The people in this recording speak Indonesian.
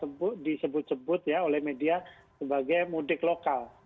yang belakangan disebut sebut oleh media sebagai mudik lokal